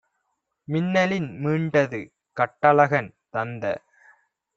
மின்னலின் மீண்டது! கட்டழகன் - தந்த